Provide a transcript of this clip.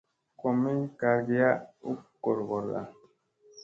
Kom mi kargiya u goorgoorda.